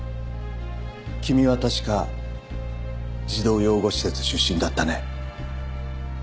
君は確か児童養護施設出身だったね？